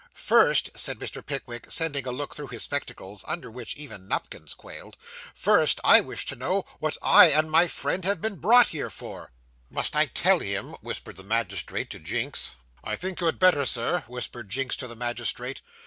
'First,' said Mr. Pickwick, sending a look through his spectacles, under which even Nupkins quailed, 'first, I wish to know what I and my friend have been brought here for?' 'Must I tell him?' whispered the magistrate to Jinks. 'I think you had better, sir,' whispered Jinks to the magistrate.